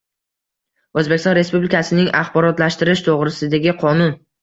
O‘zbekiston Respublikasining “Axborotlashtirish to‘g‘risida”gi Qonun